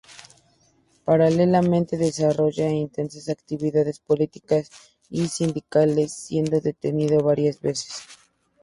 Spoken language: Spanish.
Paralelamente desarrolla intensas actividades políticas y sindicales, siendo detenido varias veces.